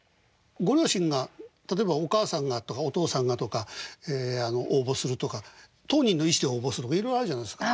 ご両親が例えばお母さんがとかお父さんがとか応募するとか当人の意思で応募するとかいろいろあるじゃないですか。